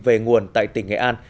về nguồn tại tỉnh nghệ an